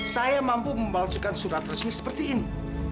saya mampu memalsukan surat resmi seperti ini